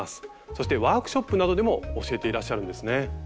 そしてワークショップなどでも教えていらっしゃるんですね。